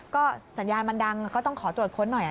ก็สัญญาณมันดังก็ต้องขอตรวจค้นหน่อย